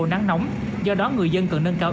nắng nóng do đó người dân cần nâng cao